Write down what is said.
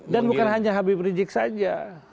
dan bukan hanya habib rizieq saja